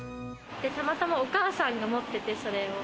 たまたまお母さんが持ってて、それを。